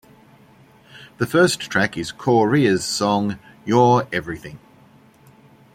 The first track is Corea's song, "You're Everything".